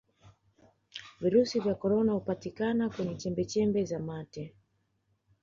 virusi vya korona hupatikana kwenye chembechembe za mate